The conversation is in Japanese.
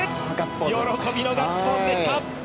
喜びのガッツポーズでした。